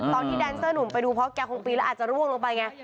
ตอนที่แดนเซอร์หนุ่มไปดูเพราะแกคงปีนแล้วอาจจะร่วงลงไปไง